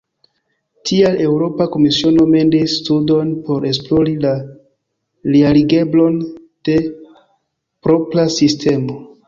Tial Eŭropa Komisiono mendis studon por esplori la realigeblon de propra sistemo.